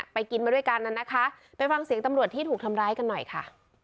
ไปกินมาด้วยกันน่ะนะคะไปฟังเสียงตำรวจที่ถูกทำร้ายกันหน่อยค่ะ